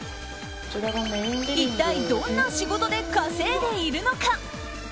一体どんな仕事で稼いでいるのか。